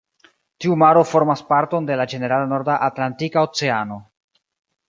Tiu maro formas parton de la ĝenerala norda Atlantika Oceano.